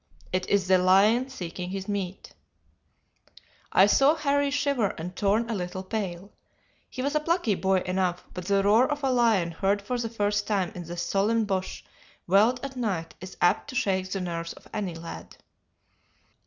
It is the lion seeking his meat. "I saw Harry shiver and turn a little pale. He was a plucky boy enough, but the roar of a lion heard for the first time in the solemn bush veldt at night is apt to shake the nerves of any lad.